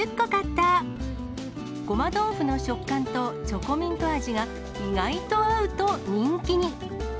ごま豆腐の食感とチョコミント味が、意外と合うと人気に。